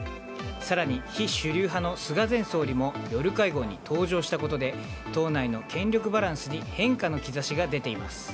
更に非主流派の菅前総理も夜会合に登場したことで党内の権力バランスに変化の兆しが出ています。